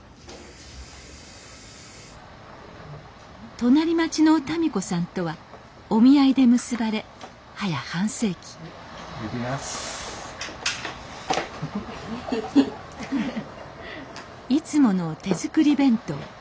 隣町のたみ子さんとはお見合いで結ばれはや半世紀いつもの手作り弁当。